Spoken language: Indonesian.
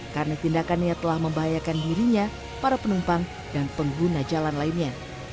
karena tindakannya telah membahayakan dirinya para penumpang dan pengguna jalan lainnya